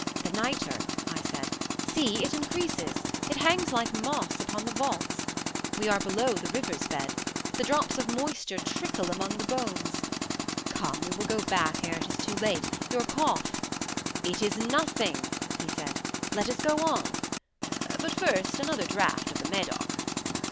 "The nitre!" I said: "see, it increases. It hangs like moss upon the vaults. We are below the river's bed. The drops of moisture trickle among the bones. Come, we will go back ere it is too late. Your cough—" "It is nothing," he said; "let us go on. But first, another draught of the Medoc."